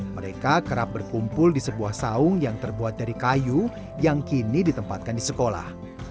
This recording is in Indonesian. mereka kerap berkumpul di sebuah saung yang terbuat dari kayu yang kini ditempatkan di sekolah